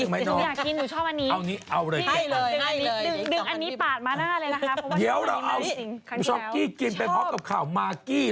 แย่งกันนะสิดีแล้วที่พี่หนุ่มไม่มาวันนี้